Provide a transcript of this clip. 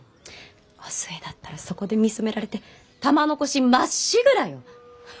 お寿恵だったらそこで見初められて玉のこしまっしぐらよ！